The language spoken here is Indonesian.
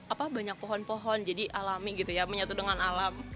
apa banyak pohon pohon jadi alami gitu ya menyatu dengan alam